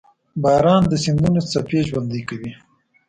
• باران د سیندونو څپې ژوندۍ کوي.